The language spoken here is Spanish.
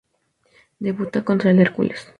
Debuta contra el Hercules.